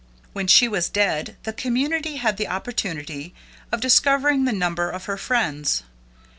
When she was dead the community had the opportunity of discovering the number of her friends.